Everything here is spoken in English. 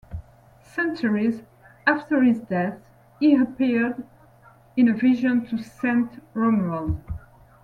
Centuries after his death, he appeared in a vision to Saint Romuald.